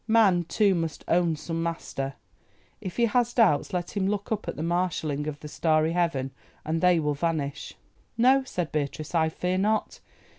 Man, too, must own some master. If he has doubts let him look up at the marshalling of the starry heaven, and they will vanish." "No," said Beatrice, "I fear not.